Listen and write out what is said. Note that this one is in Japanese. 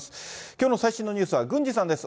きょうの最新のニュースは郡司さんです。